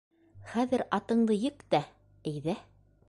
Хәҙер атыңды ек тә, әйҙә.